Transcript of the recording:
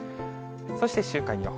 そして週間予報。